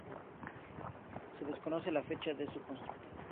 Se desconoce la fecha de su construcción.